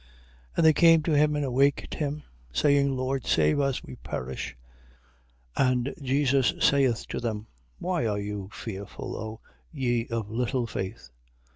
8:25. And they came to him, and awaked him, saying: Lord, save us, we perish. 8:26. And Jesus saith to them: Why are you fearful, O ye of little faith?